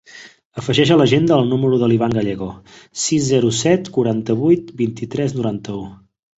Afegeix a l'agenda el número de l'Ivan Gallego: sis, zero, set, quaranta-vuit, vint-i-tres, noranta-u.